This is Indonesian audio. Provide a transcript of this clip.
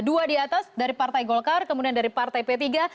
dua di atas dari partai golkar kemudian dari partai p tiga